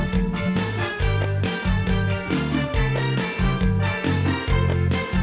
ติดตามกันด้วยกับข่าวเย็นแท้รัฐจรรยา